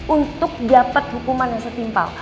untuk dapat hukuman yang setimpal